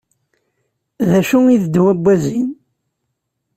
D acu i d ddwa n wazi?